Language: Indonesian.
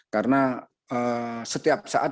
karena setiap saat